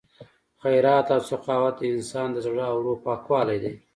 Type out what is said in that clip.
خیرات او سخاوت د انسان د زړه او روح پاکوالی دی.